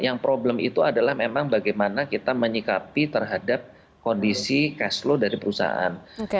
yang problem itu adalah memang bagaimana kita menyikapi terhadap kondisi cash flow dari perusahaan